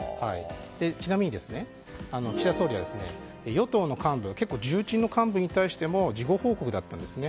ちなみに岸田総理は与党の幹部結構、重鎮の幹部に対しても事後報告だったんですね。